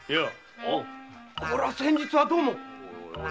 こりゃ先日はどうも。